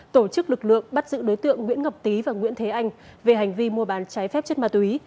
tổ chức lực lượng bắt giữ đối tượng nguyễn ngọc tý và nguyễn thế anh về hành vi mua bán trái phép chất ma túy